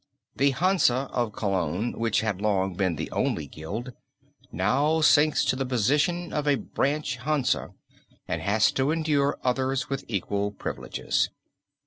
The Hansa of Cologne, which had long been the only guild, now sinks to the position of a branch Hansa, and has to endure others with equal privileges.